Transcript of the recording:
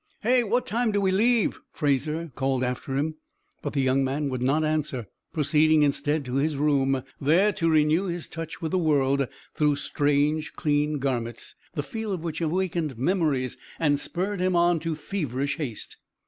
"Hey! What time do we leave?" Fraser called after him, but the young man would not answer, proceeding instead to his room, there to renew his touch with the world through strange clean garments, the feel of which awakened memories and spurred him on to feverish haste.